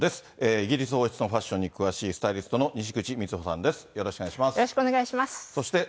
イギリス王室のファッションに詳しいスタイリストのにしぐち瑞穂さんです。